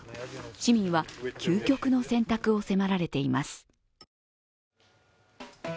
市民は究極の選択を迫られています。